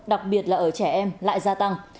đặc biệt là ở trẻ em lại gia tăng